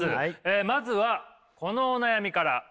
まずはこのお悩みから。